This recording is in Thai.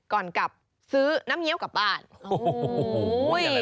ก่อนกลับซื้อน้ำเงี้ยวกลับบ้านโอ้โห